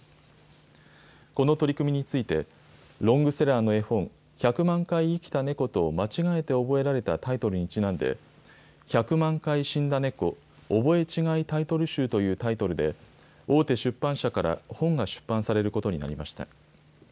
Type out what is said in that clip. この取り組みについて、ロングセラーの絵本、１００万回生きたねこと間違えて覚えられたタイトルにちなんで、１００万回死んだねこ覚え違いタイトル集というタイトルで、大手出版社から本が出版されることになりました。